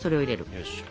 よし。